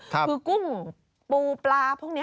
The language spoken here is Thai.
คือกุ้งปูปลาพวกนี้